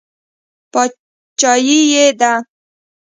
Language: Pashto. باچایي یې ده.